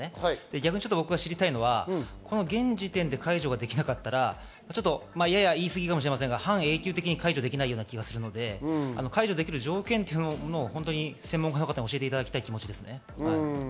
逆に僕が知りたいのは、現時点で解除ができなかったら、言い過ぎかもしれませんが、半永久的に解除できない気がするので、解除できる条件というのを専門家の方に教えていただきたい気持ちです。